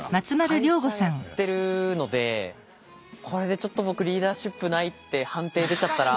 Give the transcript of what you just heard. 会社やってるのでこれでちょっと僕リーダーシップないって判定出ちゃったら。